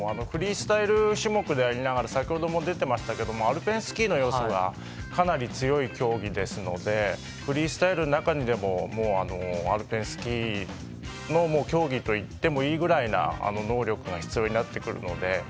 フリースタイル種目でありながら先ほども出ていましたがアルペンスキーの要素がかなり強い競技ですのでフリースタイルの中にでもアルペンスキーの競技といってもいいぐらいな能力が必要になるので。